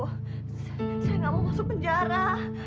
kita harus masuk penjara